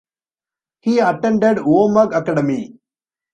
He attended Omagh Academy.